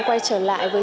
quay trở lại với